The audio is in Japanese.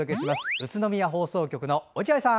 宇都宮放送局の落合さん。